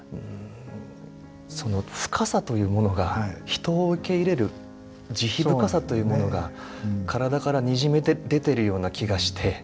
その深さというものが人を受け入れる慈悲深さというものが体からにじみ出てるような気がして。